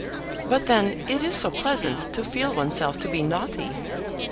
But then it is so pleasant to feel oneself to be naughty!